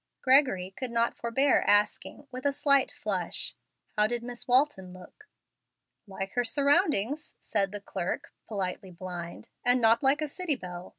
Gregory could not forbear asking, with a slight flush, "How did Miss Walton look?" "Like her surroundings," said the clerk, politely blind, "and not like a city belle.